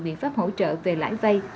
biện pháp hỗ trợ về lãi vay